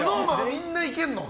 みんないけるのか。